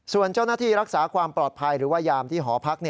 ส่วนเจ้าหน้าที่รักษาความปลอดภัยหรือว่ายามที่หอพัก